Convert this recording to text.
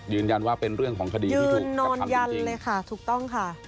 ยืนยันว่าเป็นเรื่องของคดีที่ถูกนอนยันเลยค่ะถูกต้องค่ะ